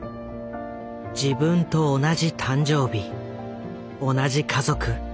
自分と同じ誕生日同じ家族。